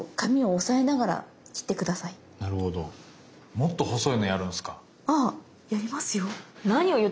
もっと細いのやるんすか。